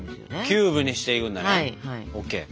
キューブにしていくんだね。ＯＫ。